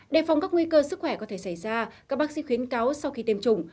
đề phòng các nguy cơ sức khỏe có thể xảy ra các bác sĩ khuyến cáo sau khi tiêm chủng